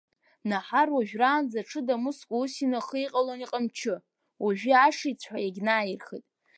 Наҳар ожәраанӡа аҽы дамыскәа ус инахиҟьалон иҟамчы, ожәы ашиҵәҳәа иагьнааирхеит.